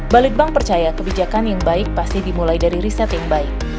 balitbank percaya kebijakan yang baik pasti dimulai dari riset yang baik